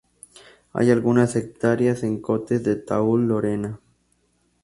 Hay algunas hectáreas en Côtes de Toul, Lorena.